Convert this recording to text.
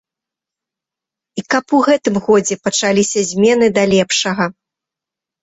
І каб у гэтым годзе пачаліся змены да лепшага.